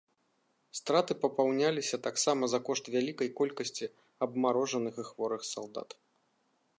Страты папаўняліся таксама за кошт вялікай колькасці абмарожаных і хворых салдат.